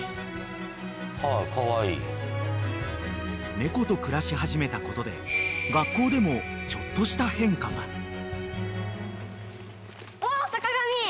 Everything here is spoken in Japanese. ［猫と暮らし始めたことで学校でもちょっとした変化が］お坂上。